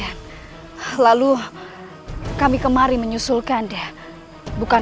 apakah aku harus ceritakan